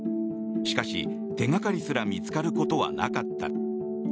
しかし、手掛かりすら見つかることはなかった。